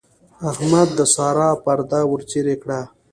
احمد د سارا پرده ورڅېرې کړه.